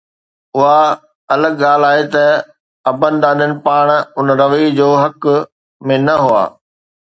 اها الڳ ڳالهه آهي ته ابن ڏاڏن پاڻ ان رويي جي حق ۾ نه هئا.